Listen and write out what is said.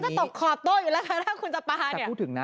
นี่ก็จะตกขอบโต้อยู่แล้วค่ะถ้าคุณจะปลาเนี่ยจะพูดถึงนะ